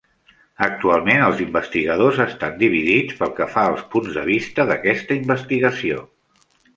Actualment, els investigadors estan dividits pel que fa als punts de vista d'aquesta investigació.